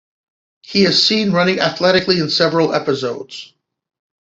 He is seen running athletically in several episodes.